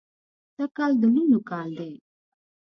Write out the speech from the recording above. سږ کال د لوڼو کال دی